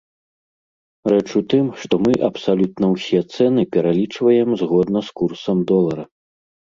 Рэч у тым, што мы абсалютна ўсе цэны пералічваем згодна з курсам долара.